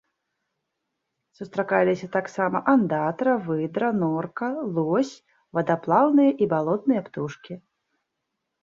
Сустракаліся таксама андатра, выдра, норка, лось, вадаплаўныя і балотныя птушкі.